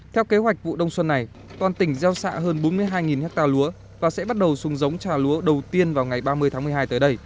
theo kế hoạch vụ đông xuân này toàn tỉnh gieo xạ hơn bốn mươi hai ha lúa và sẽ bắt đầu xuống giống trà lúa đầu tiên vào ngày ba mươi tháng một mươi hai tới đây